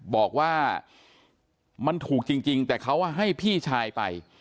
บอกว่ามันถูกจริงแต่เขาให้พี่ชายไป